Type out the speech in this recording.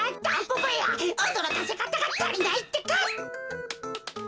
おどろかせかたがたりないってか。